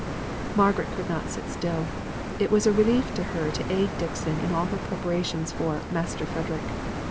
Margaret could not sit still. It was a relief to her to aid Dixon in all her preparations for "Master Frederick."